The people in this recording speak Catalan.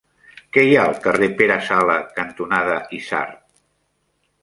Què hi ha al carrer Pere Sala cantonada Isard?